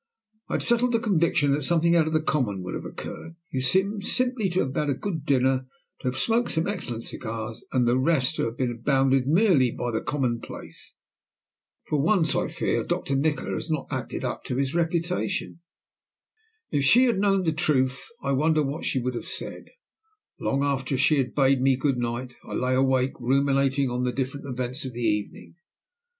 "I had a settled conviction that something out of the common would have occurred. You seem simply to have had a good dinner, to have smoked some excellent cigars, and the rest to have been bounded merely by the commonplace. For once I fear Doctor Nikola has not acted up to his reputation." If she had known the truth, I wonder what she would have said? Long after she had bade me good night I lay awake ruminating on the different events of the evening.